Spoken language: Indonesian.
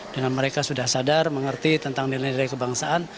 dengan mereka sudah sadar mengerti tentang nilai nilai kebangsaan